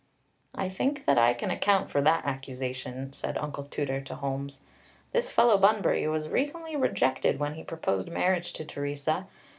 "I think that I can account for that accusation," said Uncle Tooter to Holmes. "This fellow Bunbury was recently rejected when he proposed marriage to Teresa.